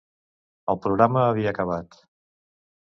El programa havia acabat.